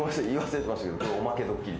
おまけドッキリ！？